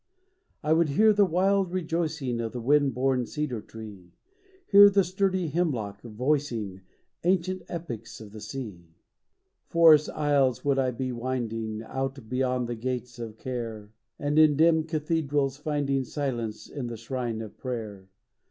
I would hear the wnld rejoicing Of the wind blown cedar tree, Hear the sturdy hemlock voicing Ancient epics of the sea. THE SONG OF THE FOREST RANGER. Forest aisles would I be winding, Out be^^ond tlie gates of Care ; And, in dim cathedrals, finding Silence at the shrine of Prayer.